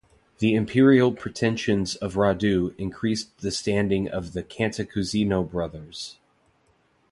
The imperial pretensions of Radu increased the standing of the Cantacuzino brothers.